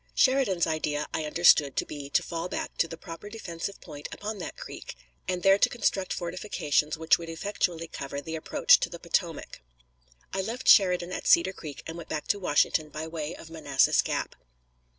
Sheridan's idea I understood to be to fall back to the proper defensive point upon that creek, and there to construct fortifications which would effectually cover the approach to the Potomac. I left Sheridan at Cedar Creek, and went back to Washington by way of Manassas Gap.